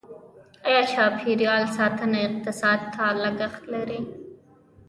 آیا چاپیریال ساتنه اقتصاد ته لګښت لري؟